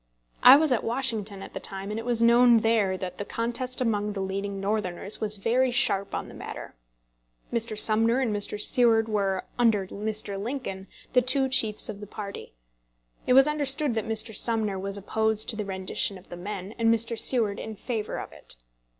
I was at Washington at the time, and it was known there that the contest among the leading Northerners was very sharp on the matter. Mr. Sumner and Mr. Seward were, under Mr. Lincoln, the two chiefs of the party. It was understood that Mr. Sumner was opposed to the rendition of the men, and Mr. Seward in favour of it.